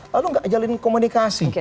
lalu gak jalanin komunikasi